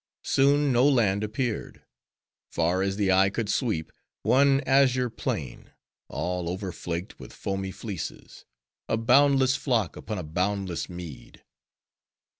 Soon, no land appeared. Far as the eye could sweep, one azure plain; all over flaked with foamy fleeces:—a boundless flock upon a boundless mead!